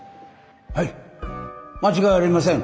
はい間違いありません。